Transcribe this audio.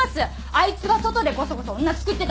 あいつが外でこそこそ女つくってたの。